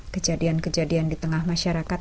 kejadian kejadian di tengah masyarakat